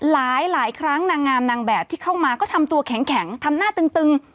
หลายครั้งนางงามนางแบบที่เข้ามาก็ทำตัวแข็งทำหน้าตึง